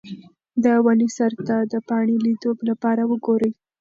د ونې سر ته د پاڼې لیدو لپاره وګورئ.